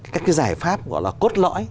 các cái giải pháp gọi là cốt lõi